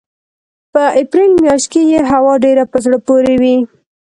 په اپرېل مياشت کې یې هوا ډېره په زړه پورې وي.